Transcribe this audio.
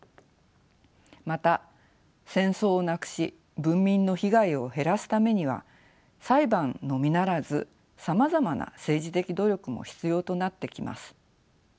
また戦争をなくし文民の被害を減らすためには裁判のみならずさまざまな政治的努力も必要となってきます。